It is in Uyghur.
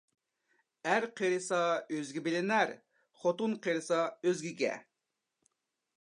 ئەر قېرىسا ئۆزىگە بىلىنەر، خوتۇن قېرىسا ئۆزگىگە.